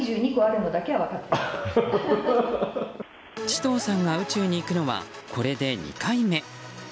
チトーさんが宇宙に行くのはこれで２回目。